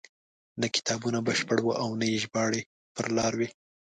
نه کتابونه بشپړ وو او نه یې ژباړې پر لار وې.